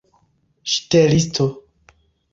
ŝtelisto